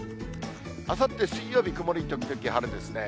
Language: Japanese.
あさって水曜日、曇り時々晴れですね。